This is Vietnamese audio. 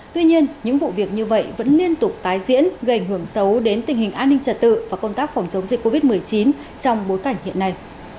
tuy nhiên những vụ việc như vậy vẫn liên tục tái diễn gây ảnh hưởng xấu đến tình hình an ninh trật tự và công tác phòng chống dịch covid một mươi chín trong bối cảnh hiện nay